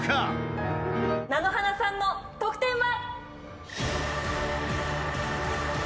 なのはなさんの得点は？